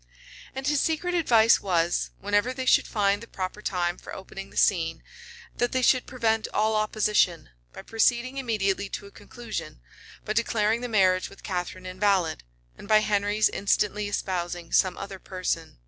And his secret advice was, whenever they should find the proper time for opening the scene, that they should prevent all opposition, by proceeding immediately to a conclusion, by declaring the marriage with Catharine invalid, and by Henry's instantly espousing some other person.